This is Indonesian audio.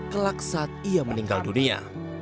kelak saat ia meninggal dunia